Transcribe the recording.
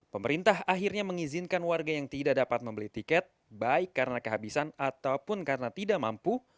pemerintah akhirnya mengizinkan warga yang tidak dapat membeli tiket baik karena kehabisan ataupun karena tidak mampu